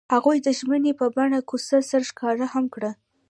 هغوی د ژمنې په بڼه کوڅه سره ښکاره هم کړه.